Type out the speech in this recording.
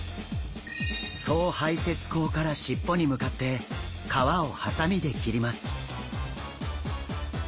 総排泄腔からしっぽに向かって皮をハサミで切ります。